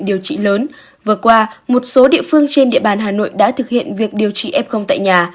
điều trị lớn vừa qua một số địa phương trên địa bàn hà nội đã thực hiện việc điều trị f tại nhà